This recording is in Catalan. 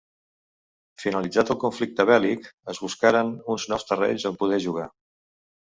Finalitzat el conflicte bèl·lic, es buscaren uns nous terrenys on poder jugar.